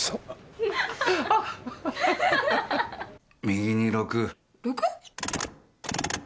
右に６。